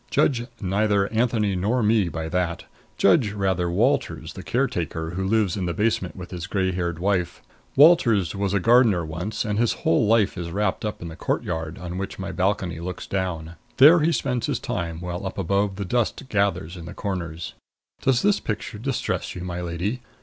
Judge neither Anthony nor me by that. Judge rather Walters, the caretaker, who lives in the basement with his gray haired wife. Walters was a gardener once, and his whole life is wrapped up in the courtyard on which my balcony looks down. There he spends his time, while up above the dust gathers in the corners Does this picture distress you, my lady?